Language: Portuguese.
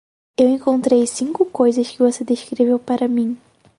Eu encontrei cinco coisas que você descreveu para mim.